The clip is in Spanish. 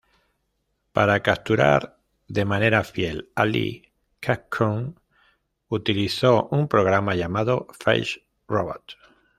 Para capturar de manera fiel a Lee, Capcom utilizó un programa llamado "Face Robot".